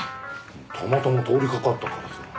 たまたま通り掛かったからさ。